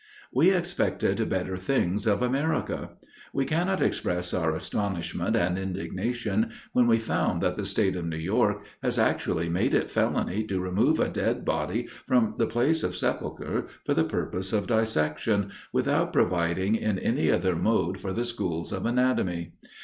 We expected better things of America. We cannot express our astonishment and indignation, when we found that the state of New York has actually made it felony to remove a dead body from the place of sepulture for the purpose of dissection, without providing in any other mode for the schools of anatomy.